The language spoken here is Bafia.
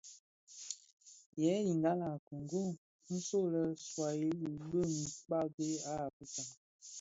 Yèè lingala a Kongo, nso lè Swuahili bi kpagi a Afrika.